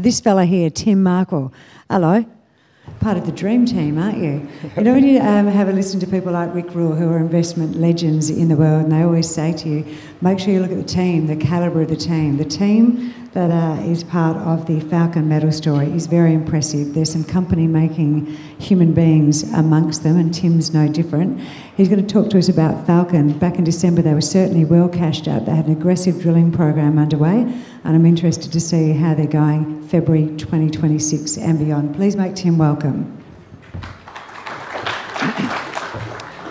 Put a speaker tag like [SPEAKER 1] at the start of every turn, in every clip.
[SPEAKER 1] This fella here, Tim Markwell. Hello. Part of the dream team, aren't you? You know, when you have a listen to people like Rick Rule, who are investment legends in the world, and they always say to you, "Make sure you look at the team, the caliber of the team." The team that is part of the Falcon Metals story is very impressive. There's some company making human beings amongst them, and Tim's no different. He's gonna talk to us about Falcon. Back in December, they were certainly well cashed up. They had an aggressive drilling program underway, and I'm interested to see how they're going February 2026 and beyond. Please make Tim welcome.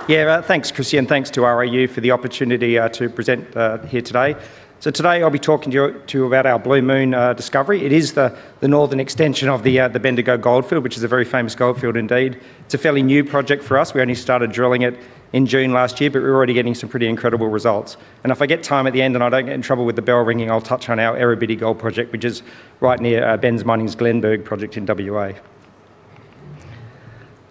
[SPEAKER 2] Yeah, thanks, Chrissy, and thanks to RIU for the opportunity to present here today. So today, I'll be talking to you about our Blue Moon discovery. It is the northern extension of the Bendigo Goldfield, which is a very famous goldfield indeed. It's a fairly new project for us. We only started drilling it in June last year, but we're already getting some pretty incredible results. And if I get time at the end, and I don't get in trouble with the bell ringing, I'll touch on our Errabiddy Gold Project, which is right near Benz Mining's Glenburgh project in WA.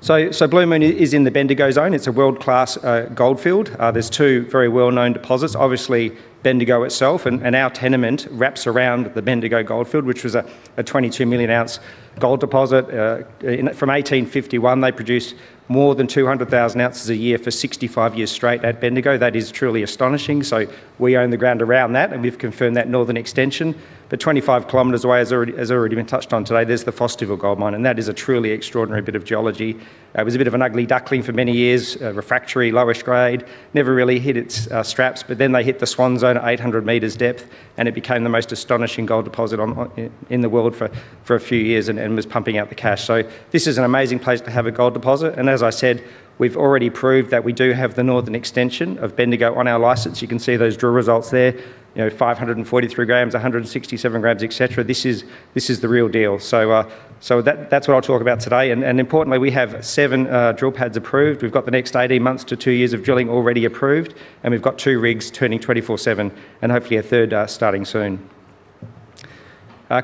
[SPEAKER 2] So Blue Moon is in the Bendigo Zone. It's a world-class goldfield. There's two very well-known deposits. Obviously, Bendigo itself, and our tenement wraps around the Bendigo Goldfield, which was a 22 million-ounce gold deposit. From 1851, they produced more than 200,000 ounces a year for 65 years straight at Bendigo. That is truly astonishing. So we own the ground around that, and we've confirmed that northern extension. But 25 km away, as already been touched on today, there's the Fosterville Gold Mine, and that is a truly extraordinary bit of geology. It was a bit of an ugly duckling for many years, refractory, lowish grade, never really hit its straps, but then they hit the Swan Zone at 800 m depth, and it became the most astonishing gold deposit on, in the world for a few years and was pumping out the cash. So this is an amazing place to have a gold deposit, and as I said, we've already proved that we do have the northern extension of Bendigo on our license. You can see those drill results there, you know, 543 g, 167 g, et cetera. This is, this is the real deal. So, so that, that's what I'll talk about today. And, and importantly, we have seven drill pads approved. We've got the next 18 months to two years of drilling already approved, and we've got two rigs turning 24/7, and hopefully a third starting soon.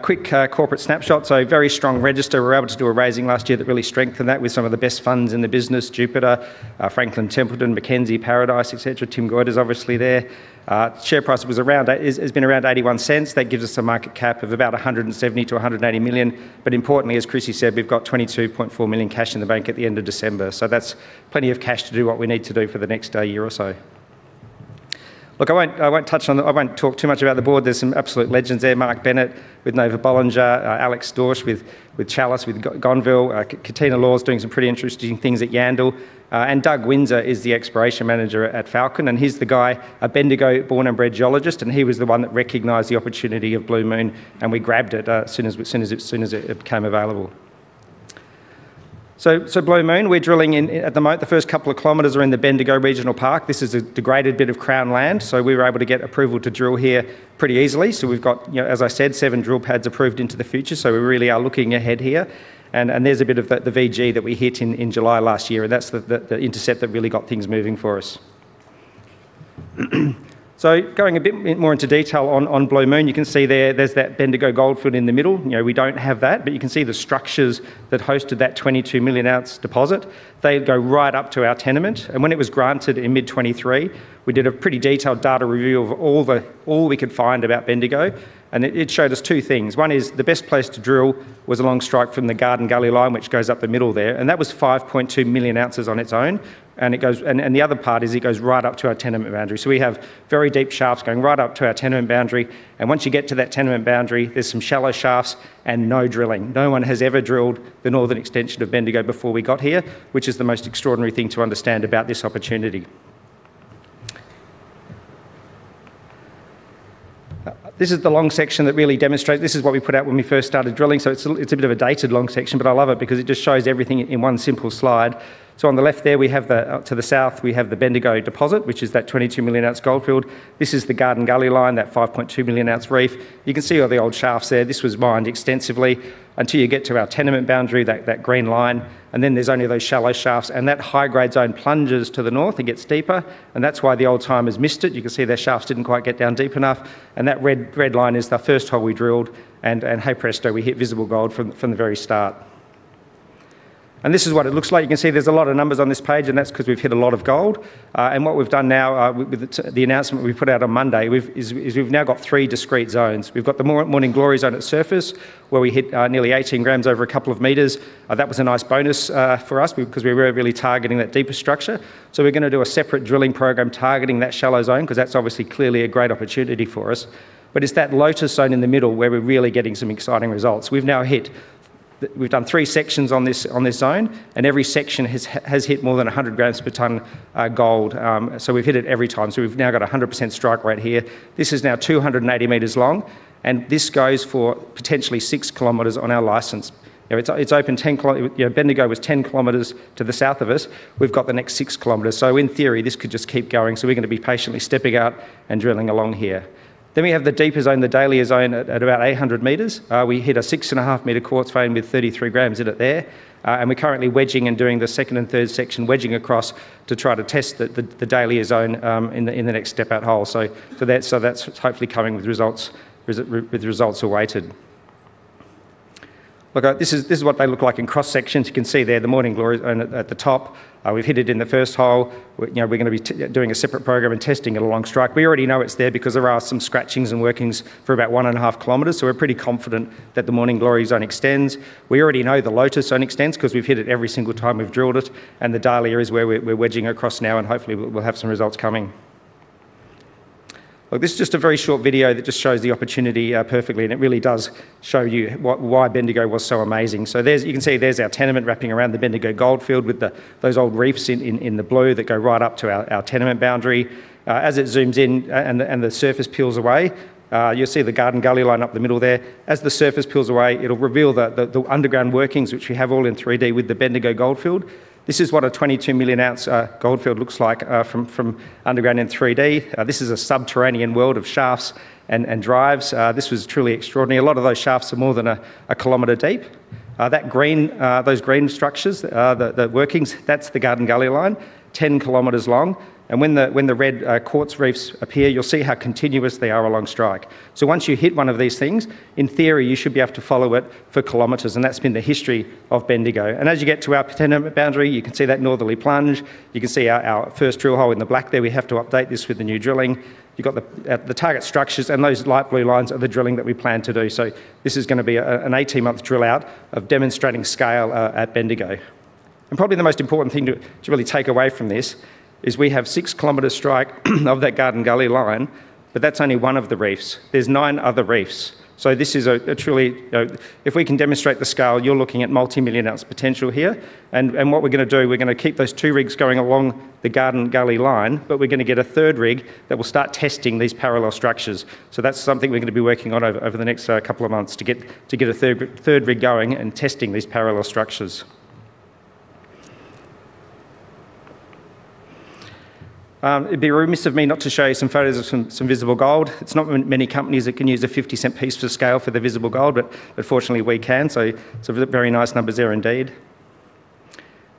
[SPEAKER 2] Quick corporate snapshot, so a very strong register. We were able to do a raising last year that really strengthened that with some of the best funds in the business, Jupiter, Franklin Templeton, Mackenzie, Paradise, et cetera. Tim Markwell is obviously there. Share price was around at, is, has been around 0.81. That gives us a market cap of about 170 million-180 million. But importantly, as Chrissy said, we've got 22.4 million cash in the bank at the end of December, so that's plenty of cash to do what we need to do for the next, year or so. Look, I won't, I won't touch on the... I won't talk too much about the board. There's some absolute legends there, Mark Bennett with Nova-Bollinger, Alex Dorsch with, with Chalice, with Gonneville. Katina Law's doing some pretty interesting things at Yandal, and Doug Winzar is the exploration manager at Falcon, and he's the guy, a Bendigo born and bred geologist, and he was the one that recognized the opportunity of Blue Moon, and we grabbed it as soon as it became available. So Blue Moon, we're drilling in at the moment, the first couple of km are in the Bendigo Regional Park. This is a degraded bit of crown land, so we were able to get approval to drill here pretty easily. So we've got, you know, as I said, seven drill pads approved into the future, so we really are looking ahead here. And there's a bit of the VG that we hit in July last year, and that's the intercept that really got things moving for us. So going a bit more into detail on Blue Moon, you can see there, there's that Bendigo Goldfield in the middle. You know, we don't have that, but you can see the structures that hosted that 22 million-ounce deposit. They go right up to our tenement, and when it was granted in mid-2023, we did a pretty detailed data review of all we could find about Bendigo, and it showed us two things. One is the best place to drill was a long strike from the Garden Gully Line, which goes up the middle there, and that was 5.2 million ounces on its own, and it goes, and the other part is it goes right up to our tenement boundary. So we have very deep shafts going right up to our tenement boundary, and once you get to that tenement boundary, there's some shallow shafts and no drilling. No one has ever drilled the northern extension of Bendigo before we got here, which is the most extraordinary thing to understand about this opportunity. This is the long section that really demonstrates. This is what we put out when we first started drilling, so it's a bit of a dated long section, but I love it because it just shows everything in one simple slide. So on the left there, we have to the south, we have the Bendigo deposit, which is that 22 million-ounce goldfield. This is the Garden Gully Line, that 5.2 million-ounce reef. You can see all the old shafts there. This was mined extensively until you get to our tenement boundary, that green line, and then there's only those shallow shafts, and that high-grade zone plunges to the north and gets deeper, and that's why the old-timers missed it. You can see their shafts didn't quite get down deep enough, and that red line is the first hole we drilled, and hey, presto, we hit visible gold from the very start. And this is what it looks like. You can see there's a lot of numbers on this page, and that's because we've hit a lot of gold. And what we've done now, with the announcement we put out on Monday, is we've now got three discrete zones. We've got the Morning Glory Zone at surface, where we hit nearly 18 g over a couple of meters. That was a nice bonus for us because we were really targeting that deeper structure. So we're gonna do a separate drilling program targeting that shallow zone, because that's obviously clearly a great opportunity for us. But it's that Lotus Zone in the middle where we're really getting some exciting results. We've done three sections on this zone, and every section has hit more than 100 g per ton gold. So we've hit it every time. So we've now got a 100% strike rate here. This is now 280 m long, and this goes for potentially 6 km on our license. You know, it's, it's open 10 km You know, Bendigo was 10 km to the south of us. We've got the next 6 km. So in theory, this could just keep going, so we're gonna be patiently stepping out and drilling along here. Then we have the deeper zone, the Dahlia Zone, at, at about 800 m. We hit a 6.5 m quartz vein with 33 g in it there, and we're currently wedging and doing the second and third section, wedging across to try to test the Dahlia Zone in the next step-out hole. So that's hopefully coming with results awaited. Look, this is what they look like in cross sections. You can see there the Morning Glory Zone at the top, we've hit it in the first hole. We, you know, we're gonna be doing a separate program and testing it along strike. We already know it's there because there are some scratching and workings for about 1/2 km, so we're pretty confident that the Morning Glory Zone extends. We already know the Lotus Zone extends 'cause we've hit it every single time we've drilled it, and the Dahlia is where we're, we're wedging across now, and hopefully, we, we'll have some results coming. Well, this is just a very short video that just shows the opportunity perfectly, and it really does show you why Bendigo was so amazing. So you can see there's our tenement wrapping around the Bendigo Goldfield with the, those old reefs in the blue that go right up to our tenement boundary. As it zooms in and the surface peels away, you'll see the Garden Gully Line up the middle there. As the surface peels away, it'll reveal the underground workings which we have all in 3D with the Bendigo Goldfield. This is what a 22 million-ounce gold field looks like from underground in 3D. This is a subterranean world of shafts and drives. This was truly extraordinary. A lot of those shafts are more than a kilometer deep. That green... Those green structures are the workings. That's the Garden Gully Line, 10 km long, and when the red quartz reefs appear, you'll see how continuous they are along strike. So once you hit one of these things, in theory, you should be able to follow it for kilometers, and that's been the history of Bendigo. And as you get to our tenement boundary, you can see that northerly plunge. You can see our first drill hole in the black there. We have to update this with the new drilling. You've got the target structures, and those light blue lines are the drilling that we plan to do. So this is gonna be an 18-month drill out of demonstrating scale at Bendigo. And probably the most important thing to really take away from this is we have 6 km strike of that Garden Gully Line, but that's only one of the reefs. There's nine other reefs, so this is a truly. If we can demonstrate the scale, you're looking at multimillion-ounce potential here. And what we're gonna do, we're gonna keep those two rigs going along the Garden Gully Line, but we're gonna get a third rig that will start testing these parallel structures. So that's something we're gonna be working on over the next couple of months to get a third rig going and testing these parallel structures. It'd be remiss of me not to show you some photos of some visible gold. It's not many companies that can use a 50-cent piece to scale for the visible gold, but fortunately, we can. So some very nice numbers there indeed.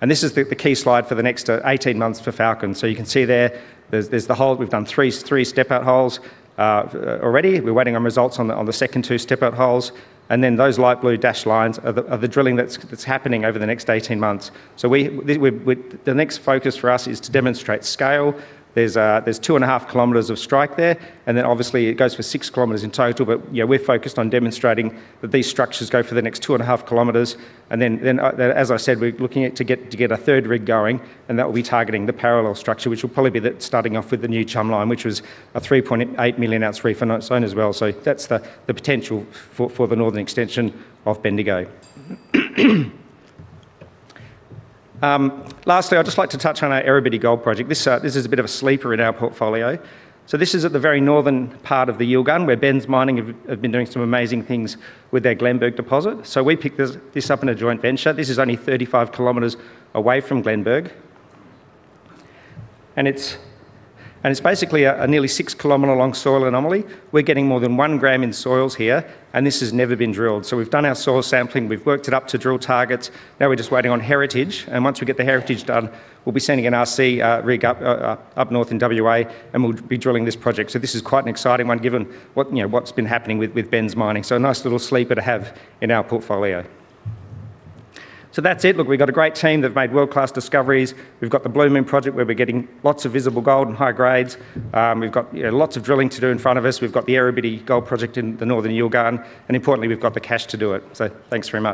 [SPEAKER 2] This is the key slide for the next 18 months for Falcon. So you can see there, there's the hole. We've done three step-out holes already. We're waiting on results on the second two step-out holes, and then those light blue dashed lines are the drilling that's happening over the next 18 months. So the next focus for us is to demonstrate scale. There's 2.5 km of strike there, and then obviously it goes for 6 km in total, but, you know, we're focused on demonstrating that these structures go for the next 2.5 km, and then as I said, we're looking to get a 3rd rig going, and that will be targeting the parallel structure, which will probably be the starting off with the New Chum Line, which was a 3.8 million-ounce reef on its own as well. So that's the potential for the northern extension of Bendigo. Lastly, I'd just like to touch on our Errabiddy Gold Project. This is a bit of a sleeper in our portfolio. This is at the very northern part of the Yilgarn, where Benz Mining have been doing some amazing things with their Glenburgh deposit. We picked this up in a joint venture. This is only 35 km away from Glenburgh, and it's basically a nearly 6 km soil anomaly. We're getting more than 1 g in soils here, and this has never been drilled. We've done our soil sampling, we've worked it up to drill targets. Now we're just waiting on heritage, and once we get the heritage done, we'll be sending an RC rig up north in WA, and we'll be drilling this project. This is quite an exciting one, given what you know what's been happening with Benz Mining. A nice little sleeper to have in our portfolio. That's it. Look, we've got a great team that's made world-class discoveries. We've got the Blue Moon Project, where we're getting lots of visible gold and high grades. We've got lots of drilling to do in front of us. We've got the Errabiddy Gold Project in the northern Yilgarn, and importantly, we've got the cash to do it. So thanks very much.